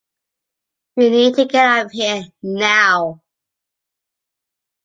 We need to get out of here now.